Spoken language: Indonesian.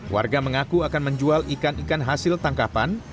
warga mengaku akan menjual ikan ikan hasil tangkapan